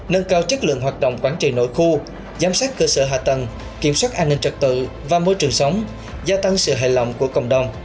nâng cao chất lượng hoạt động quản trị nội khu giám sát cơ sở hạ tầng kiểm soát an ninh trật tự và môi trường sống gia tăng sự hài lòng của cộng đồng